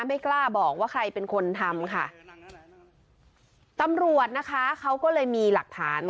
ไม่กล้าบอกว่าใครเป็นคนทำค่ะตำรวจนะคะเขาก็เลยมีหลักฐาน